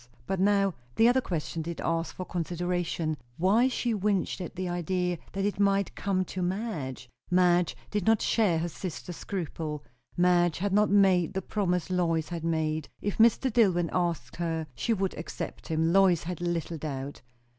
But now the other question did ask for consideration; Why she winced at the idea that it might come to Madge? Madge did not share her sister's scruple; Madge had not made the promise Lois had made; if Mr. Dillwyn asked her, she would accept him, Lois had little doubt.